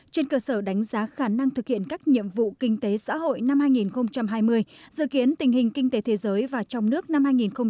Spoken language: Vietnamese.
trên cơ sở đánh giá khả năng thực hiện các nhiệm vụ kinh tế xã hội năm hai nghìn hai mươi dự kiến tình hình kinh tế thế giới và trong nước năm hai nghìn hai mươi một